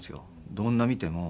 どんな見ても。